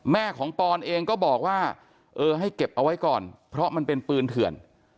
แม่ของปอนเองก็บอกว่าเออให้เก็บเอาไว้ก่อนเพราะมันเป็นปืนเถื่อน